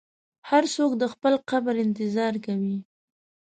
هر څوک د خپل قبر انتظار کوي.